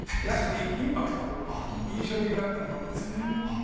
安くてインパクト印象的だったものですね。